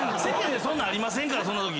世間でそんなんありませんから。